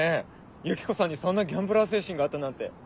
ユキコさんにそんなギャンブラー精神があったなんて。